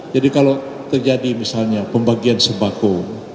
jadi kalau terjadi misalnya pembagian sembako